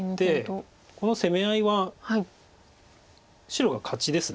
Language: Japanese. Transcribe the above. この攻め合いは白が勝ちです。